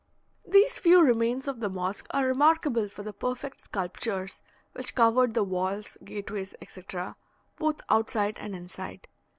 These few remains of the mosque are remarkable for the perfect sculptures which covered the walls, gateways, etc., both outside and inside.